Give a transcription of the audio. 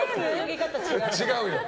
違うよ。